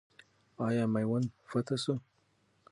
آیا میوند فتح سو؟